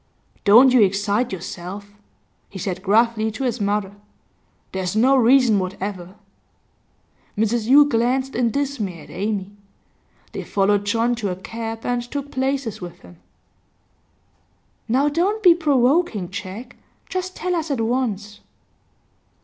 'Don't you excite yourself,' he said gruffly to his mother. 'There's no reason whatever.' Mrs Yule glanced in dismay at Amy. They followed John to a cab, and took places with him. 'Now don't be provoking, Jack. Just tell us at once.